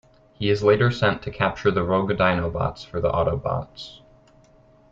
He is later sent to capture rogue Dinobots for the Autobots.